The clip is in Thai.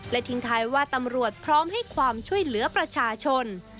ทิ้งท้ายว่าตำรวจพร้อมให้ความช่วยเหลือประชาชน